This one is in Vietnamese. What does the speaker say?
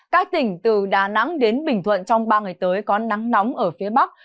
các tỉnh từ đà nẵng đến bình thuận trong ba ngày tới có nắng nóng ở phía bắc